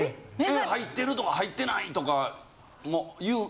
・入ってるとか入ってないとかも言う。